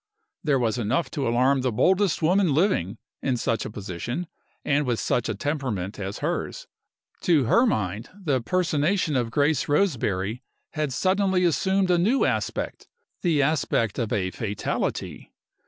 (There was enough to alarm the boldest woman living in such a position, and with such a temperament as hers. To her mind the personation of Grace Roseberry had suddenly assumed a new aspect: the aspect of a fatality.